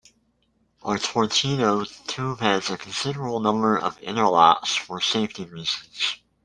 A torpedo tube has a considerable number of interlocks for safety reasons.